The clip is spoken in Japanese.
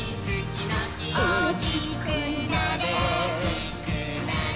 「おおきくなれ」おおきくなれ。